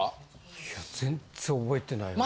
いや全然覚えてないね。